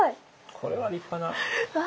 これは立派な。